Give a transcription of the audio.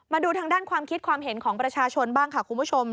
มาดูทางด้านความคิดความเห็นของประชาชนบ้างค่ะคุณผู้ชม